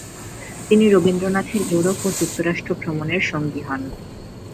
তিনি রবীন্দ্রনাথের ইউরোপ ও যুক্তরাষ্ট্র ভ্রমণের সঙ্গী হন।